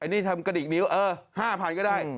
นี่ทำกระดิกนิ้วเออ๕๐๐ก็ได้